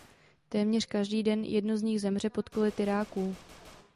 Téměř každý den jedno z nich zemře pod koly tiráků.